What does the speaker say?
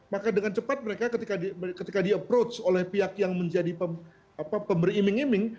maka dengan cepat mereka ketika di approach oleh pihak yang menjadi pemberi iming iming